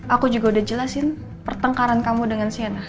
aku juga udah jelasin pertengkaran kamu dengan siana